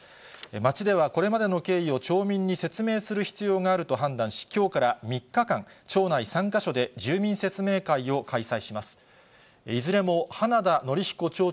町では、これまでの経緯を町民に説明する必要があると判断し、きょうから３日間、町内３か所で住民説明会を開催します。